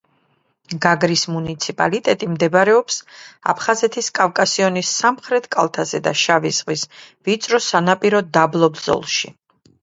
გაგრის მუნიციპალიტეტი მდებარეობს აფხაზეთის კავკასიონის სამხრეთ კალთაზე და შავი ზღვის ვიწრო სანაპირო დაბლობ ზოლში.